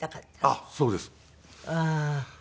あっそうです。